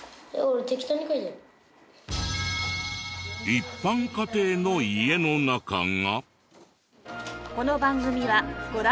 一般家庭の家の中が。